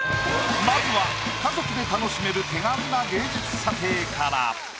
まずは家族で楽しめる手軽な芸術査定から。